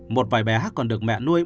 một vài bé hát còn được mẹ nuôi